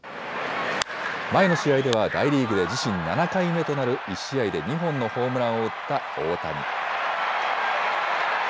前の試合では大リーグで自身７回目となる１試合で２本のホームランを打った大谷。